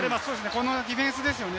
このディフェンスですよね。